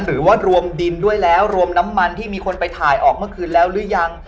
หรือรวมดินด้วยแล้วรวมน้ำมันที่ทายออกเมื่อกี้เล่าหรือยัง